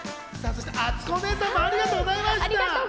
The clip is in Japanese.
そしてあつこお姉さんもありがとうございました。